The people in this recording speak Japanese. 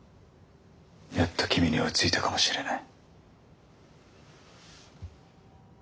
やっと君に追いついたかもしれない。